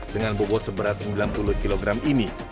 dengan bobot seberat sembilan puluh kg ini